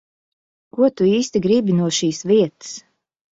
Ko tu īsti gribi no šīs vietas?